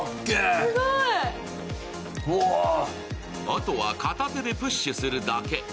あとは片手でプッシュするだけ。